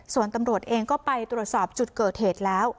ส่วนตำรวจเองก็ไปตรวจสอบจุดเกิดเหตุแล้ว